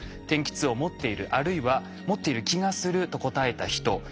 天気痛を持っているあるいは持っている気がすると答えた人。